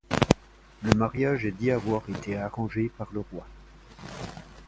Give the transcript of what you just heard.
Le mariage est dit avoir été arrangé par le roi.